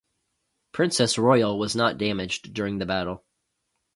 "Princess Royal" was not damaged during the battle.